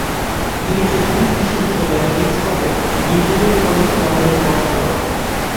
তিনি কেমব্রিজ বিশ্ববিদ্যালয়ের King's College, Imperial College লন্ডনে পড়াশোনা করেন।